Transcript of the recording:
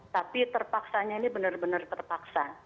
tapi terpaksanya ini benar benar terpaksa